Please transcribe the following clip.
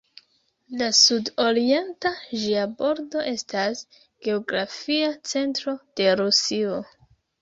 La sud-orienta ĝia bordo estas geografia centro de Rusio.